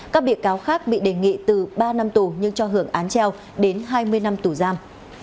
các bị cáo khác bị đề nghị từ ba năm tù nhưng cho hưởng án treo đến hai mươi năm tù giam